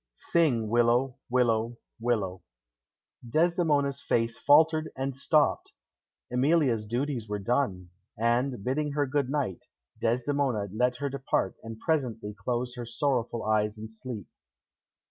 Sing willow, willow, willow;" Desdemona's voice faltered and stopped. Emilia's duties were done, and, bidding her good night, Desdemona let her depart, and presently closed her sorrowful eyes in sleep.